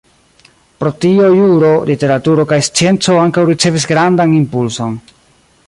Pro tio juro, literaturo kaj scienco ankaŭ ricevis grandan impulson.